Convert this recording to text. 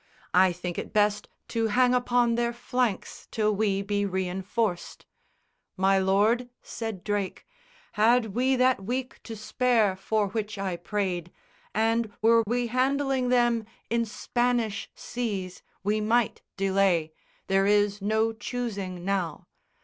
I think it best to hang upon their flanks Till we be reinforced." "My lord," said Drake, "Had we that week to spare for which I prayed, And were we handling them in Spanish seas, We might delay. There is no choosing now.